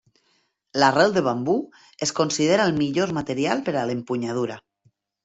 L'arrel de bambú es considera el millor material per a l'empunyadura.